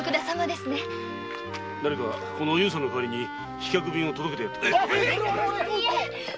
だれかおゆうさんの代わりに飛脚便を届けてやってくれぬか？